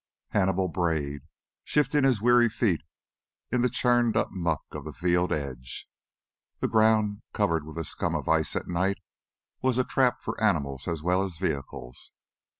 Hannibal brayed, shifting his weary feet in the churned up muck of the field edge. The ground, covered with a scum of ice at night, was a trap for animals as well as vehicles.